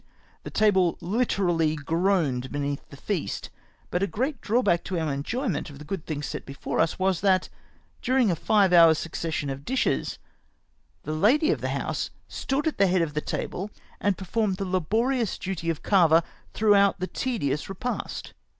The table hterally groaned beneath the feast ; but a great drawback to our enjoyment of the good things set before us, was that, during a five hours' suc cession of dishes, the lady of the house stood at the head of the table, and performed the laborious duty of carver throughout the tedious repast.